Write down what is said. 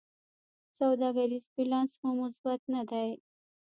سوداګریز بیلانس مو مثبت نه دی.